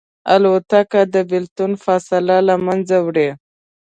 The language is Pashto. الوتکه د بېلتون فاصله له منځه وړي.